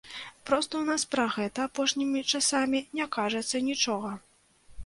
Проста ў нас пра гэта апошнімі часамі не кажацца нічога.